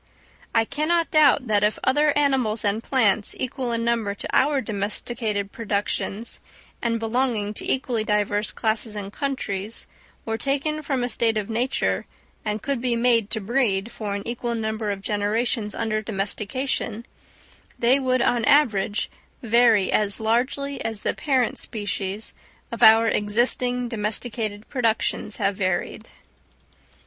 I cannot doubt that if other animals and plants, equal in number to our domesticated productions, and belonging to equally diverse classes and countries, were taken from a state of nature, and could be made to breed for an equal number of generations under domestication, they would on an average vary as largely as the parent species of our existing domesticated productions have varied.